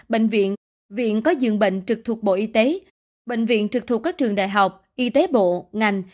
bệnh viện viện có dường bệnh trực thuộc bộ y tế bệnh viện trực thuộc các trường đại học y tế bộ ngành